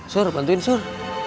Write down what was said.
sur bantuin sur